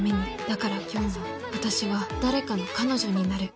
だから今日も私は誰かの彼女になる。